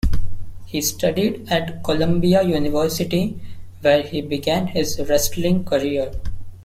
He studied at Columbia University where he began his wrestling career.